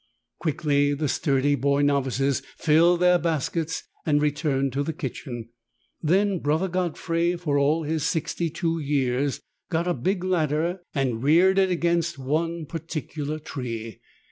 Quickly the sturdy boy novices filled their baskets and returned to the kitchen. Then Brother Godfrey, for all his sixty two years, got a big ladder and reared it against one particular tree.